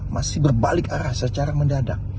masih berbalik arah secara mendadak